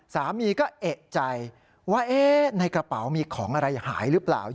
สามีก็เอกใจว่าในกระเป๋ามีของอะไรหายหรือเปล่า